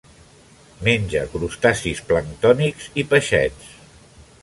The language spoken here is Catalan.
Menja crustacis planctònics i peixets.